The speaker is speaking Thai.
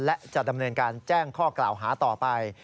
และจะดำเนินการแจ้งข้อกล่าวหาต่อไป